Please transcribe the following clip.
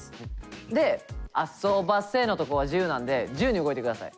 で「遊ばせ」のとこは自由なんで自由に動いてください。